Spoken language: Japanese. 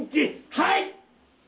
はい！